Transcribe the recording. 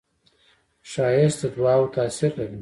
ښایست د دعاوو تاثیر لري